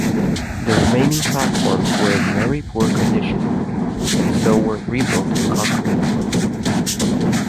The remaining platforms were in very poor condition and so were rebuilt in concrete.